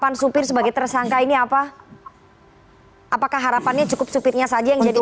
harapan supir sebagai tersangka ini apa apakah harapannya cukup supitnya saja yang jadi